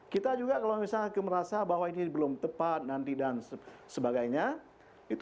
kita juga kalau misalnya merasa bahwa ini belum tepat nanti dan sebagainya